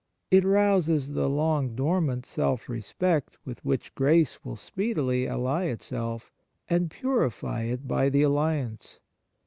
It rouses the long dormant self respect with which grace will speedily ally itself, and purify it by the alliance.